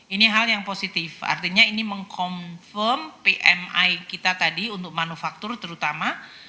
ini hal yang positif artinya ini meng confirm pmi kita tadi untuk manufaktur terutama